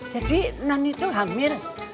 jadi nani tuh hamil